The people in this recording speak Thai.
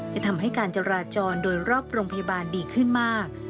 จะทำให้การจราจรโดยรอบโรงพยาบาลดีขึ้นมาก